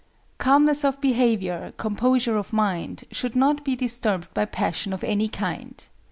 Calmness of behavior, composure of mind, should not be disturbed by passion of any kind.